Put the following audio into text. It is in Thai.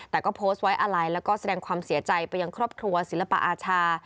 แต่ก็โพสต์ไว้อาลัยแล้วก็แสดงความเสียใจไปยังครอบครัวศิลปอาชา